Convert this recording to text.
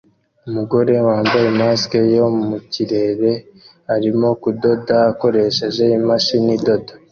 Umugore wambaye mask yo mu kirere arimo kudoda akoresheje imashini idoda